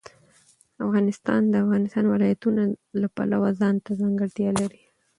افغانستان د د افغانستان ولايتونه د پلوه ځانته ځانګړتیا لري.